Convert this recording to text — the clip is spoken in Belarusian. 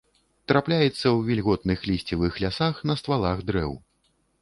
Трапляецца ў вільготных лісцевых лясах на ствалах дрэў.